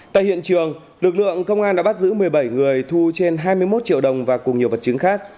tại hiện trường lực lượng công an đã bắt giữ một mươi bảy người thu trên hai mươi một triệu đồng và cùng nhiều vật chứng khác